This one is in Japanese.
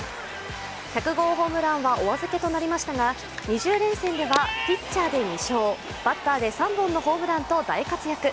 １００号ホームランはお預けとなりましたが２０連戦ではピッチャーで２勝、バッターで３本のホームランと大活躍。